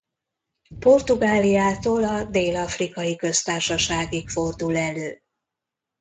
Portugáliától a Dél-afrikai Köztársaságig fordul elő.